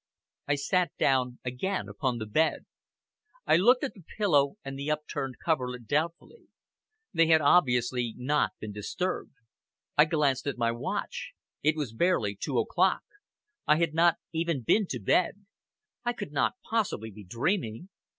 I sat down again upon the bed. I looked at the pillow and the unturned coverlet doubtfully. They had obviously not been disturbed. I glanced at my watch! it was barely two o'clock. I had not even been to bed. I could not possibly be dreaming!